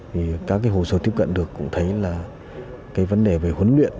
thì các cái hồ sơ tiếp cận được cũng thấy là cái vấn đề về huấn luyện